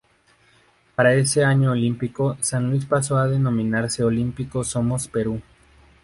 Para ese año Olímpico San Luis pasó a denominarse Olímpico Somos Perú.